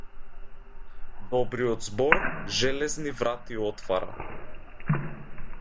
Добриот збор железни врати отвара.